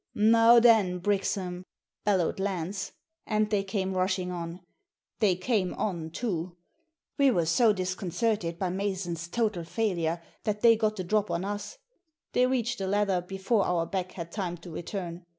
" Now then, Brixham," bellowed Lance. And they came rushing on. They came on too ! We were so disconcerted by Mason's total failure that they got the drop on us. They reached the leather before our back had time to return.